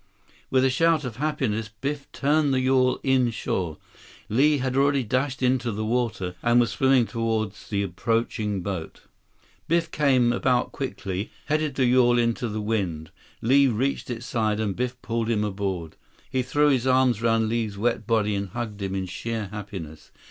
With a shout of happiness, Biff turned the yawl inshore. Li had already dashed into the water, and was swimming toward the approaching boat. 120 Biff came about quickly, heading the yawl into the wind. Li reached its side, and Biff pulled him aboard. He threw his arms around Li's wet body and hugged him in sheer happiness.